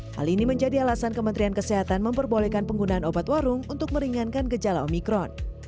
hal ini menjadi alasan kementerian kesehatan memperbolehkan penggunaan obat warung untuk meringankan gejala omikron